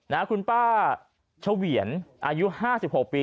นะคุณป้าเฉวียนอายุ๕๖ปี